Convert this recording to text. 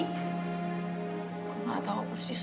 gue gak tau persis